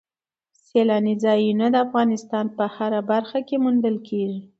سیلانی ځایونه د افغانستان په هره برخه کې موندل کېږي.